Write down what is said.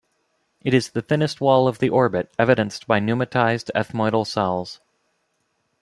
It is the thinnest wall of the orbit, evidenced by pneumatized ethmoidal cells.